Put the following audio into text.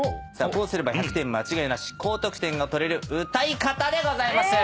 こうすれば１００点間違いナシ⁉高得点が取れる歌い方です。